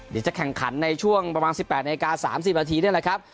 เดี๋ยวจะแข่งขันในช่วงประมาณ๑๘นาที๓๐นาทีนี่แหละครับ